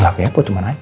gak kepo tuh mana aja